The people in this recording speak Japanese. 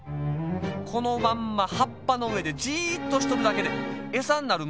このまんまはっぱのうえでじっとしとるだけでエサになるむしが「おっ！